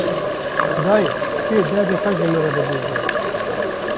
Dayê, tu yê derdê xwe ji min re bibêjî